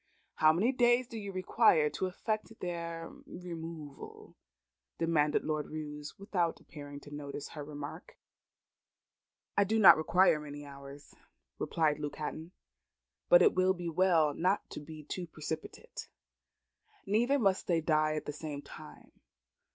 "How many days do you require to effect their removal?" demanded Lord Roos, without appearing to notice her remark. "I do not require many hours," replied Luke Hatton; "but it will be well not to be too precipitate. Neither must they die at the same time.